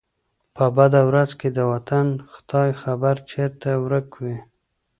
په بده ورځ کي د وطن ، خداى خبر ، چرته ورک وې